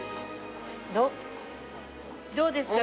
どうですか？